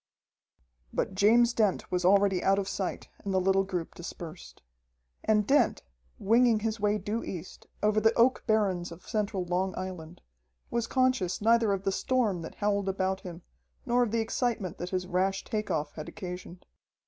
But James Dent was already out of sight, and the little group dispersed. And Dent, winging his way due east, over the oak barrens of central Long Island, was conscious neither of the storm that howled about him nor of the excitement that his rash take off had occasioned.